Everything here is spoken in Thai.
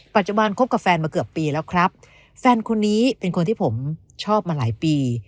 คบกับแฟนมาเกือบปีแล้วครับแฟนคนนี้เป็นคนที่ผมชอบมาหลายปี